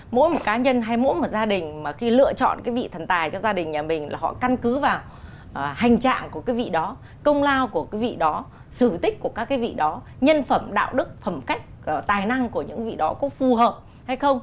mỗi một cá nhân hay mỗi một gia đình mà khi lựa chọn cái vị thần tài cho gia đình nhà mình là họ căn cứ vào hành trạng của cái vị đó công lao của cái vị đó sử tích của các cái vị đó nhân phẩm đạo đức phẩm cách tài năng của những vị đó có phù hợp hay không